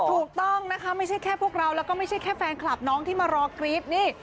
ถูกต้องนะคะไม่ใช่แค่พวกเราแล้วก็ไม่ใช่แค่แฟนคลับน้องที่มารอกรี๊ดนี่